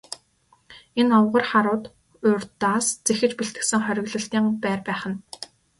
Энэ овгор харууд урьдаас зэхэж бэлтгэсэн хориглолтын байр байх нь.